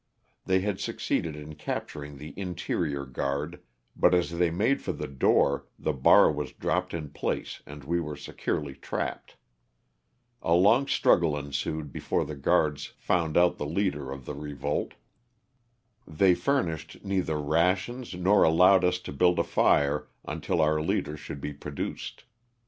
They had succeeded in capturing the interior guard, but as they made for the door the bar was dropped in place and we were securely trapped. A long struggle en sued before the guards found out the leader of the re volt. They furnished neither rations nor allowed us to build a fire until our leader should be produced.